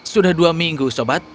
sudah dua minggu sobat